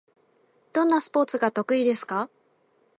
どんなスポーツが得意ですか？